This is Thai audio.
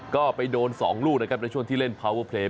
ก็ไปโดน๒ลูกนะครับในช่วงที่เล่นพาวเวอร์เพลง